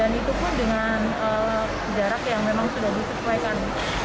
dan itu pun dengan jarak yang memang sudah disesuaikan